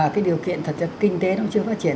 cái điều kiện thật ra kinh tế nó chưa phát triển